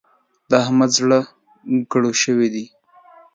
د احمد زړه ګرو شوی دی.